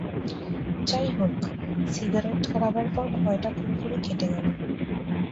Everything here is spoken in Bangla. যাই হোক, সিগারেট ধরাবার পর ভয়টা পুরোপুরি কেটে গেল।